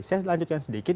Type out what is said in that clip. saya lanjutkan sedikit